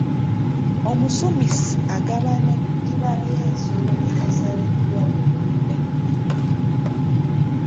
Omusumisi agabana ddiba ly’ensolo eyasaliddwa mu lumbe.